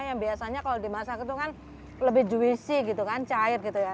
yang biasanya kalau dimasak itu kan lebih juicy gitu kan cair gitu ya